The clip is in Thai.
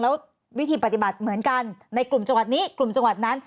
แล้ววิธีปฏิบัติเหมือนกันในกลุ่มจังหวัดนี้กลุ่มจังหวัดนั้น